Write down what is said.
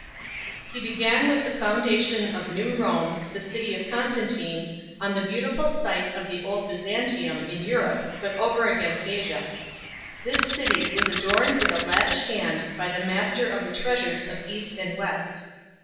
__He began with the foundation of New Rome, the city of Constantine, on the beautiful site of the old Byzantium, in Europe, but over against Asia 1 . This city was adorned with a lavish hand by the master of the treasures of East and West.